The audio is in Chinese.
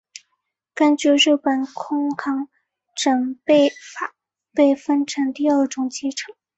根据日本空港整备法被分成第二种机场。